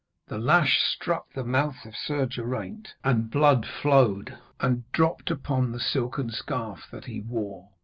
The lash struck the mouth of Sir Geraint, and blood flowed, and dropped upon the silken scarf that he wore.